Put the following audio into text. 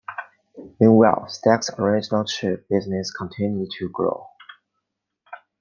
Meanwhile, Stac's original chip business continued to grow.